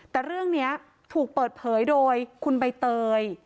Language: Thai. แต่เรื่องนี้ถูกเปิดเผยโดยคุณใบเตย